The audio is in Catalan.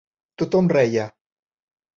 Tothom reia.